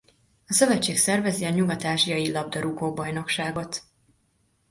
A szövetség szervezi a Nyugat-ázsiai labdarúgó-bajnokságot.